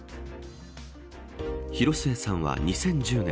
広末さんは２０１０年